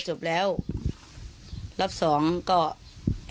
เห็นน้องบอกว่าเขาถอดเอง